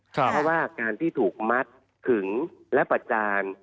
เพราะว่าการที่ถูกมัดขึงและประจาน